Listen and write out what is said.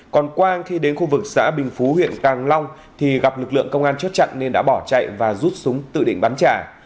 còn quang khi đến khu vực xã bình phú huyện càng long thì gặp lực lượng công an chốt chặn nên đã bỏ chạy và rút súng tự định bắn trả